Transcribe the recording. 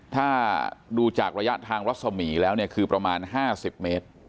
ถ้าดูจากระยะทางรัศมีแล้วเนี่ยคือประมาณ๕๐เมตร